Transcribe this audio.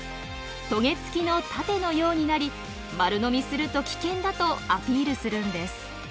トゲ付きの盾のようになり丸飲みすると危険だとアピールするんです。